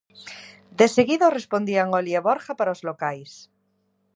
Deseguido respondían Oli e Borja para os locais.